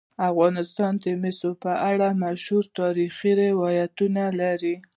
افغانستان د مس په اړه مشهور تاریخی روایتونه لري.